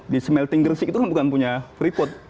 di smelting gersik itu kan bukan berpengaruh